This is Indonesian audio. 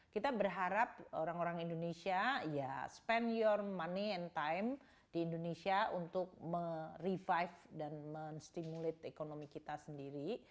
kita berharap orang orang indonesia ya spend your money and time di indonesia untuk merevive dan menstimulate ekonomi kita sendiri